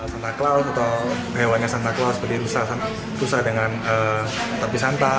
santa claus atau hewannya santa claus berusaha dengan tapi santa